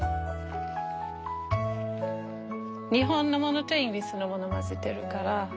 日本のものとイギリスのもの交ぜてるから。